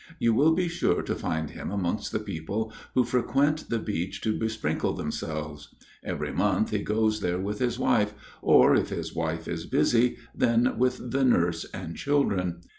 You will be sure to find him amongst the people who frequent the beach to besprinkle themselves. Every month he goes there with his wife, or if his wife is busy, then with the nurse and children.